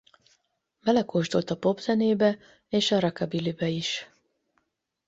Belekóstolt a popzenébe és a rockabilly-be is.